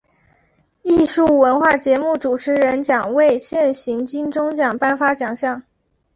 艺术文化节目主持人奖为现行金钟奖颁发奖项。